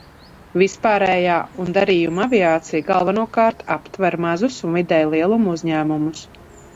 Vispārējā un darījumu aviācija galvenokārt aptver mazus un vidēja lieluma uzņēmumus.